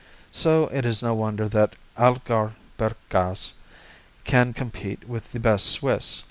So it is no wonder that Allgäuer Bergkäse can compete with the best Swiss.